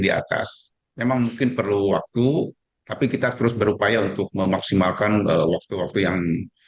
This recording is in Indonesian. di atas memang mungkin perlu waktu tapi kita terus berupaya untuk memaksimalkan waktu waktu yang